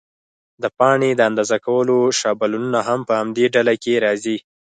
د پاڼې د اندازه کولو شابلونونه هم په همدې ډله کې راځي.